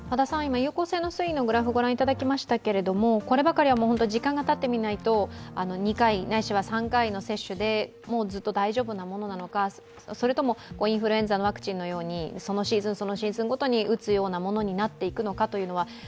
有効性の推移のグラフを御覧いただきましたがこればかりは時間がたってみないと、２回、３回の接種で接種でずっと大丈夫なものなのかそれともインフルエンザのワクチンのようにそのシーズン、シーズンごとに打つようなものになっていくのか